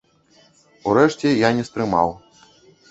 Урэшце я не стрымаў.